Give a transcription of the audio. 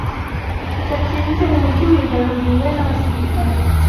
Bidatinze umujyi wigaruriwe n'abasirikare.